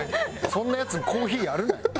そんなヤツにコーヒーやるなよ。